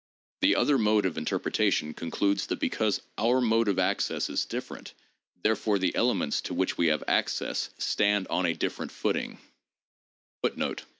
The other mode of interpreta tion concludes that because our mode of access is different, therefore the elements to which we have access stand on a different footing} 2.